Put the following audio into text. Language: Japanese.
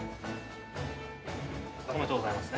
おめでとうございます。